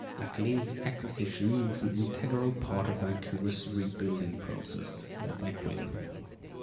McLean's acquisition was an integral part of Vancouver's rebuilding process, led by Quinn.